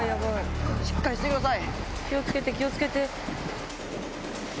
しっかりしてください！